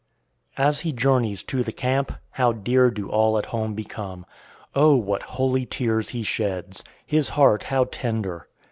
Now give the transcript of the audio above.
As he journeys to the camp, how dear do all at home become! Oh, what holy tears he sheds! His heart, how tender!